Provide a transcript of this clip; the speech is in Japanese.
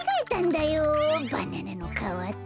バナナのかわと。